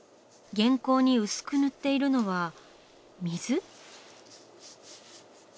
原稿に薄く塗っているのは水？